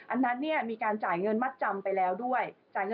อันนั้นมีการจ่ายเงินมัตตรรำไปแล้วด้วย